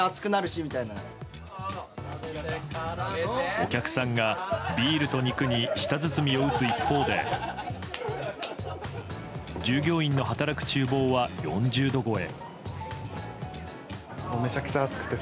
お客さんがビールと肉に舌つづみを打つ一方で従業員の働く厨房は４０度超え。